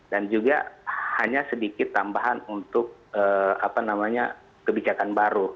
dan juga hanya sedikit tambahan untuk kebijakan baru